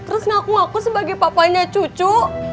terus ngaku ngaku sebagai papanya cucu